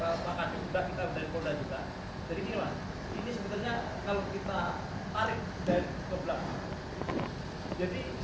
jadi ini pak ini sebenarnya kalau kita tarik dari kebelakang